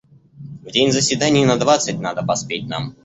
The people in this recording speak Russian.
В день заседаний на двадцать надо поспеть нам.